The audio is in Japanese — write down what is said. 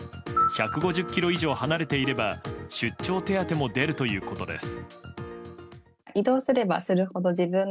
１５０ｋｍ以上離れていれば出張手当も出るということです。